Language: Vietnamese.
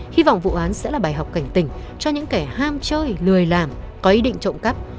hy vọng vụ án sẽ là bài học cảnh tỉnh cho những kẻ ham chơi lười làm có ý định trộm cắp